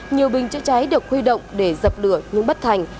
nhiều bình chữa cháy được huy động để dập lửa nhưng bất thành